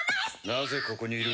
なぜここにいる？